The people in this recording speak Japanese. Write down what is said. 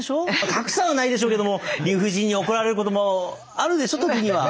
賀来さんはないでしょうけども理不尽に怒られることもあるでしょう時には。